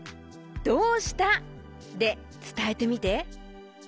「どうした」でつたえてみて。